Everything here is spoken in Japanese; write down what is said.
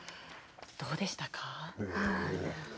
どうでしたか？